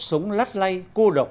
sống lắt lay cô độc